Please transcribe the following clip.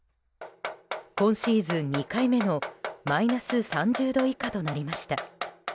今シーズン２回目のマイナス３０度以下となりました。